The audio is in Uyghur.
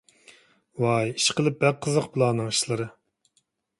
ۋاي ئىشقىلىپ، بەك قىزىق بۇلارنىڭ ئىشلىرى.